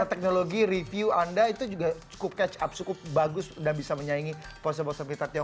dari teknologi review anda itu juga cukup catch up cukup bagus udah bisa menyaingi ponsel ponsel pintar tiongkok